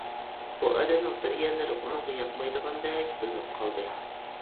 بۇ ئادەمنىڭ بىر يەرلىرى ئۇنىڭغا ياقمايدىغاندەك بىلىنىپ قالدى.